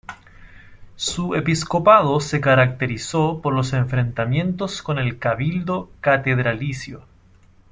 Su episcopado se caracterizó por los enfrentamientos con el Cabildo Catedralicio.